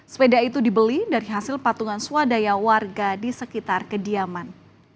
sepeda itu dibeli dari hasil patungan swadaya warga di sekitar kediaman